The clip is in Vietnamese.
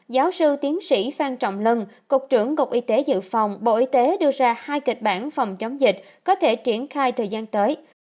giáo sư tiến sĩ phan trọng lân cục trưởng cục y tế dự phòng bộ y tế đưa ra hai kịch bản phòng chống dịch có thể triển khai thời gian tới